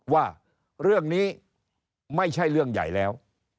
ว่าเรื่องนี้ไม่ใช่เรื่องใหญ่แล้ว